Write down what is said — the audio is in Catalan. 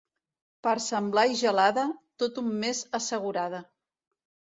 Per Sant Blai gelada, tot un mes assegurada.